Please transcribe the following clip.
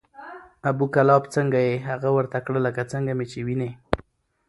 ابو کلاب څنګه یې؟ هغه ورته کړه لکه څنګه مې چې وینې،